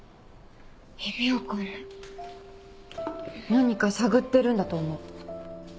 何か探ってるんだと思う。